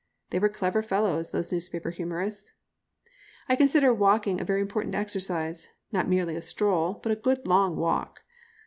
They were clever fellows those newspaper humorists. I consider walking a very important exercise not merely a stroll, but a good long walk.